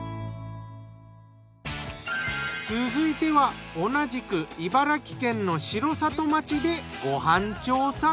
続いては同じく茨城県の城里町でご飯調査。